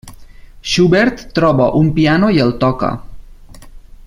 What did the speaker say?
Schubert troba un piano i el toca.